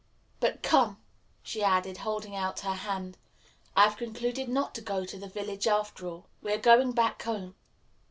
But come," she added, holding out her hand, "I have concluded not to go to the village, after all. We are going back home."